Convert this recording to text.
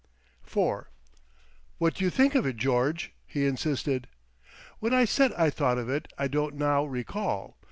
IV "What do you think of it, George?" he insisted. What I said I thought of it I don't now recall.